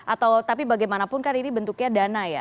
atau tapi bagaimanapun kan ini bentuknya dana ya